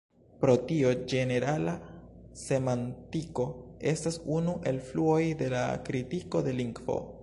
Pro tio ĝenerala semantiko estas unu el fluoj de la kritiko de lingvo.